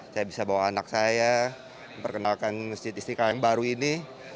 saya bisa bawa anak saya memperkenalkan masjid istiqlal yang baru ini